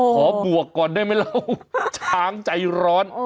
โอ้โหขอบวกก่อนได้ไหมเราช้างใจร้อน